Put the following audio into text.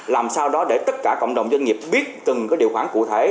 làm sao đó để tất cả cộng đồng doanh nghiệp biết từng điều khoản cụ thể